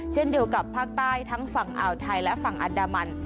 เช่นเดียวกับภาคใต้ทั้งฝั่งอ่าวไทยและฝั่งอันดามัน